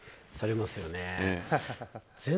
されますよね。